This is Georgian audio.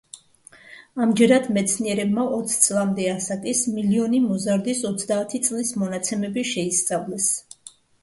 ამჯერად მეცნიერებმა ოც წლამდე ასაკის, მილიონი მოზარდის ოცდაათი წლის მონაცემები შეისწავლეს.